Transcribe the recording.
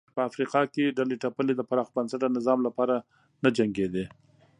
په افریقا کې ډلې ټپلې د پراخ بنسټه نظام لپاره نه جنګېدې.